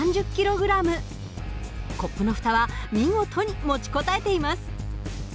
コップの蓋は見事に持ちこたえています。